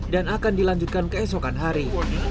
dan akan dilanjutkan keesokan hari